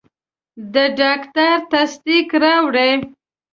د ډاکټر تصدیق راوړئ.